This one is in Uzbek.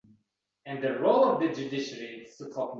Issiq nondek ularni hozir